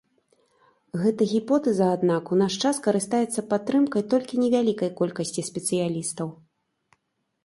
Гэта гіпотэза, аднак, у наш час карыстаецца падтрымкай толькі невялікай колькасці спецыялістаў.